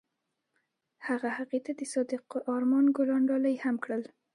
هغه هغې ته د صادق آرمان ګلان ډالۍ هم کړل.